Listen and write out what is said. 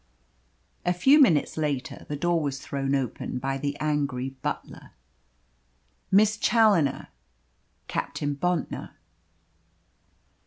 A few minutes later the door was thrown open by the angry butler. "Miss Challoner Captain Bontnor."